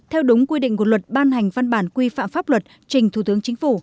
theo đúng quy định của luật ban hành văn bản quy phạm pháp luật trình thủ tướng chính phủ